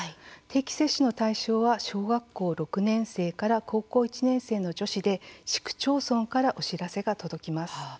定期接種の対象は小学校６年生から高校１年生の女子で市区町村からお知らせが届きます。